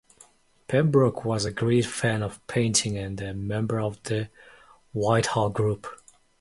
Pembroke was a great fan of painting and a member of the Whitehall group.